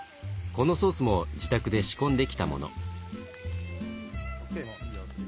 このソースも自宅で仕込んできたもの。